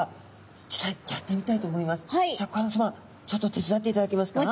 ちょっと手伝っていただけますか？